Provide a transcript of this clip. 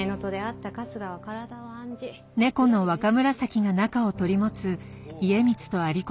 猫の若紫が仲を取り持つ家光と有功。